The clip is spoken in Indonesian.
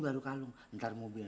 makan udah apal